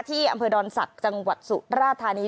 อำเภอดอนศักดิ์จังหวัดสุราธานี